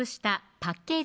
パッケージ